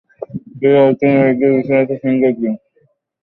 ফিরআউনও তার রাজ্যের বিশালতা, সৌন্দর্য এবং বহমান নদী-নালা নিয়ে গর্ববোধ করত।